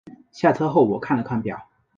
下车后我看了看表